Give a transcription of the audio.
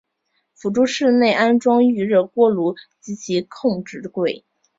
辅助室内安装预热锅炉及其控制柜。